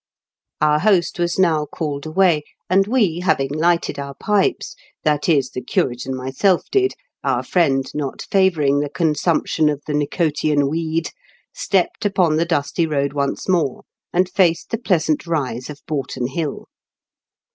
Our host was now called away, and w^e,. having lighted our pipes — that is, the curate and myself did, our friend not favouring the consumption of the nicotian weed — stepped upon the dusty road once more, and faced the pleasant rise of Boughton Hill.